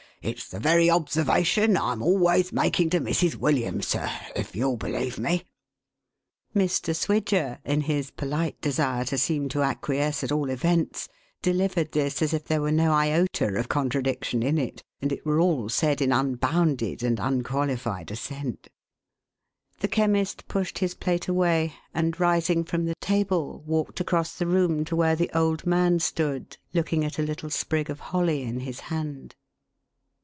It's the very observation I'm always making to Mi's. William, sir, if you'll believe me !" Mr. Swidger, in his polite desire to seem to acquiesce at all events, delivered this as if there were no iota of contradiction, in it, and it were all said in unbounded and unqualified assent. The Chemist pushed his plate away, and, rising from the table, walked across the room to where the old man stood looking at a little sprig of holly in his hand.